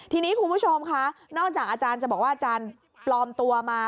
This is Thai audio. ทีนี้คุณผู้ชมค่ะนอกจากอาจารย์จะบอกว่าอาจารย์ปลอมตัวมา